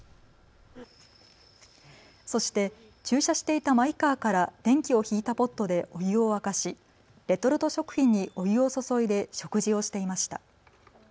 そして駐車していたマイカーから電気を引いたポットでお湯を沸かしレトルト食品にお湯を注いで食事をしていました。